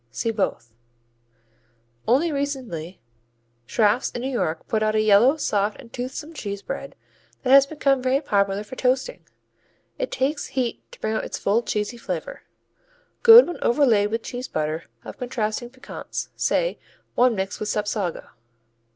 (See both.) Only recently Schrafft's in New York put out a yellow, soft and toothsome cheese bread that has become very popular for toasting. It takes heat to bring out its full cheesy savor. Good when overlaid with cheese butter of contrasting piquance, say one mixed with Sapsago.